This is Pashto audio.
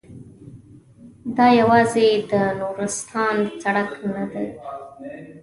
دا یوازې د نورستان سړک نه دی.